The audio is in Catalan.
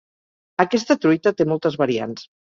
Aquesta truita té moltes variants